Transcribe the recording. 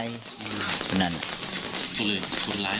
คือผู้ตายคือวู้ไม่ได้ยิน